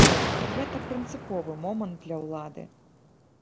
Гэта прынцыповы момант для ўлады.